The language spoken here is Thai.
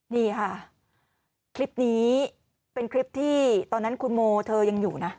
นี่ค่ะคลิปนี้เป็นคลิปที่ตอนนั้นคุณโมเธอยังอยู่นะ